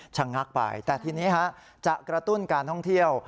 ชะงักไปแต่ทีนี้จะกระตุ้นการท่องเที่ยว